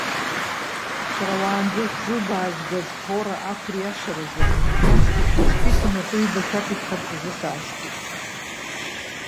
Сара, уаанӡа ишәзылбаагаз Ҭора ақәыриашараз, насгьы шәызқәиҭым акы-ҩба шәақәиҭхарц азы саашьҭуп.